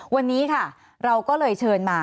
วันนี้ค่ะเราก็เลยเชิญมา